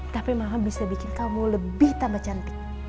tapi maha bisa bikin kamu lebih tambah cantik